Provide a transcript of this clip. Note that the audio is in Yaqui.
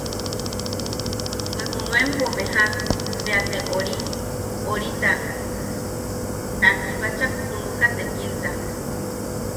Bwe junuenpo, beja bea te ori orita, ta kibachak junuka tekilta.